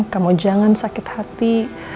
kamu jangan sakit hati